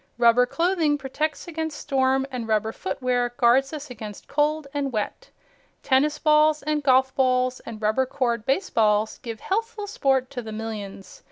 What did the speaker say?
Rubber clothing protects against storm and rubber footwear guards us against cold and wet. Tennis balls and golf balls and rubber cored baseballs give healthful sport to the millions.